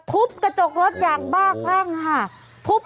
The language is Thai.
ทุบกระจกรถอย่างบ้างฮะโอ้ว